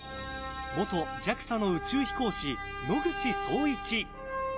元ＪＡＸＡの宇宙飛行士野口聡一。